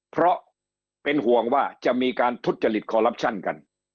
เพราะเป็นห่วงว่าจะมีการทุจริตคอลลับชั่นกัน